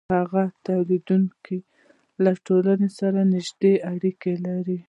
هغه تولیدونکی له ټولنې سره نږدې اړیکې لري